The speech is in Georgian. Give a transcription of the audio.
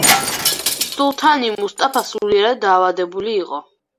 სულთანი მუსტაფა სულიერად დაავადებული იყო.